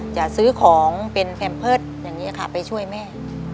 จะซื้อของเป็นแพมเพิร์ตอย่างนี้ค่ะไปช่วยแม่